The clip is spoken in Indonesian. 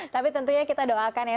tapi tentunya kita doakan ya